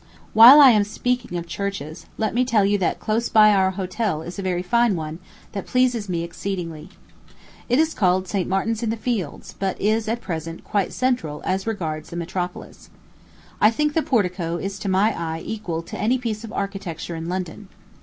While I am speaking of churches, let me tell you that, close by our hotel, is a very fine one, that pleases me exceedingly. It is called St. Martin's in the Fields, but is at present quite central as it regards the metropolis. I think the portico is to my eye equal to any piece of architecture in London.